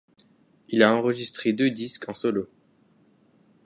Il a enregistré deux disques en solo.